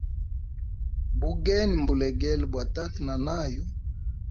Bugeni mbulegele bwa tata na nayu.